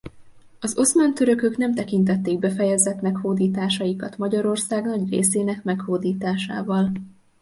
Az oszmán törökök nem tekintették befejezettnek hódításikat Magyarország nagy részének meghódításával.